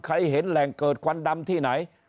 เห็นแหล่งเกิดควันดำที่ไหน